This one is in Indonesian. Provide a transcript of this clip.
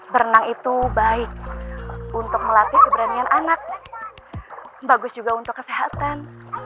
berenang itu baik untuk melatih keberanian anak bagus juga untuk kesehatan